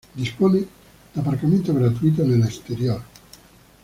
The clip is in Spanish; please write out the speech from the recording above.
Dispone de aparcamiento gratuito en el exterior.